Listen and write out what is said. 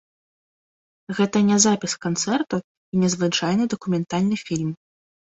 Гэта не запіс канцэрту і не звычайны дакументальны фільм.